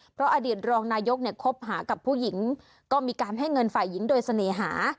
เพราะอดีตรองนายกเนี่ยคบหากับผู้หญิงก็มีการให้เงินฝ่ายหญิงโดยเสน่หา